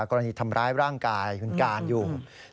กรณีทำร้ายร่างกายคุณการอยู่